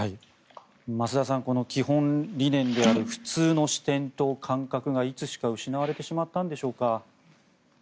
増田さんこの基本理念である普通の視点と感覚がいつしか失われてしまったのでしょうか。